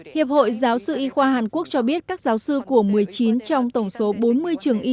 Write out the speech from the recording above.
hiệp hội giáo sư y khoa hàn quốc cho biết các giáo sư của một mươi chín trong tổng số bốn mươi trường y